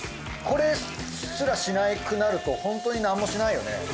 これすらしなくなると本当に何もしないよね